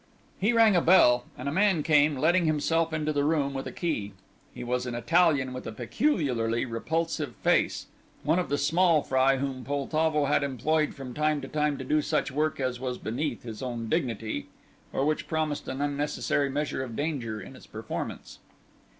He rang a bell, and a man came, letting himself into the room with a key. He was an Italian with a peculiarly repulsive face; one of the small fry whom Poltavo had employed from time to time to do such work as was beneath his own dignity, or which promised an unnecessary measure of danger in its performance.